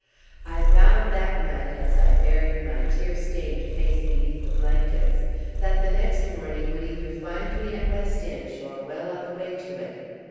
I vowed that night, as I buried my tear stained face beneath the blankets, that the next morning would either find me at West Inch or well on the way to it.